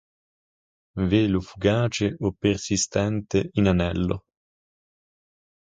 Velo fugace o persistente in anello.